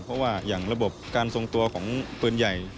เพราะว่าอย่างระบบการทรงตัวของปืนใหญ่